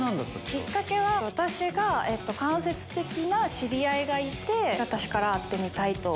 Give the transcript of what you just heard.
きっかけは私が間接的な知り合いがいて私から会ってみたいと。